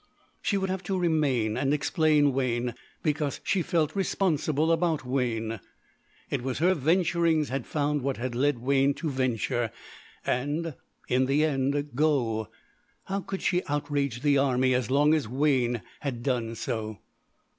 She would have to remain and explain Wayne, because she felt responsible about Wayne. It was her venturings had found what had led Wayne to venture and, in the end, go. How could she outrage the army as long as Wayne had done so?